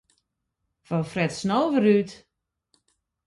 Wat fretst no wer út?